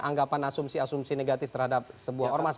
anggapan asumsi asumsi negatif terhadap sebuah ormas